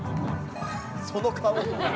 その顔！